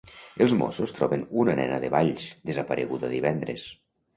Els Mossos troben una nena de Valls, desapareguda divendres.